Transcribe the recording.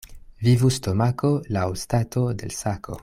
Vivu stomako laŭ stato de l' sako.